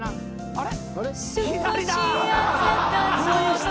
あれ？